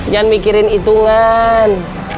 jangan mikirin itungan